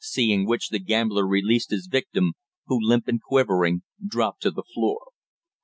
Seeing which the gambler released his victim, who, limp and quivering, dropped to the floor.